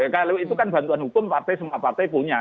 kalau itu kan bantuan hukum partai semua partai punya